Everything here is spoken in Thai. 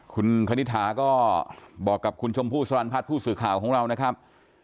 คุณคณิตถาก็บอกกับคุณชมพู่สรรพัฒน์ผู้สื่อข่าวของเรานะครับ